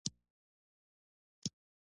کلي د افغانانو د معیشت یوه سرچینه ده.